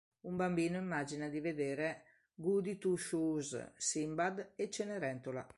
Un bambino immagina di vedere Goody Two Shoes, Sinbad e Cenerentola.